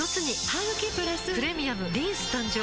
ハグキプラス「プレミアムリンス」誕生